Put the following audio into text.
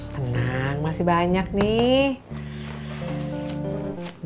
tenang masih banyak nih